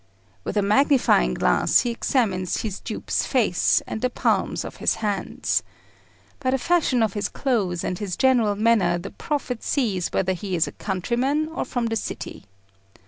With a magnifying glass he examines his dupe's face and the palms of his hands. By the fashion of his clothes and his general manner the prophet sees whether he is a countryman or from the city.